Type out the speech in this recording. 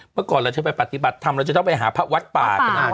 เมื่อก่อนเราจะไปปฏิบัติธรรมเราจะต้องไปหาพระวัดป่าก็ได้